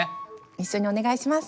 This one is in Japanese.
一緒にお願いします。